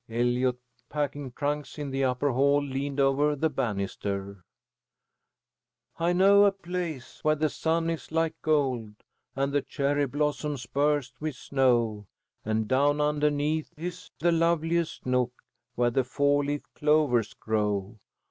Eliot, packing trunks in the upper hall, leaned over the banister: "I know a place where the sun is like gold, And the cherry blooms burst with snow. And down underneath is the loveliest nook Where the four leaf clovers grow.